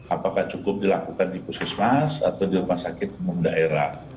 apakah cukup dilakukan di puskesmas atau di rumah sakit umum daerah